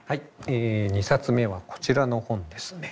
え２冊目はこちらの本ですね。